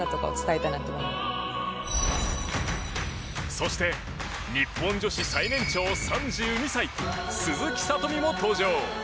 そして、日本女子最年長３２歳鈴木聡美も登場。